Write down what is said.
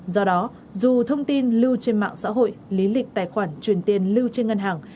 do đó dù thông tin lưu trên mạng xã hội lý lịch tài khoản truyền tiền lưu trên ngân hàng